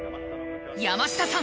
山下さん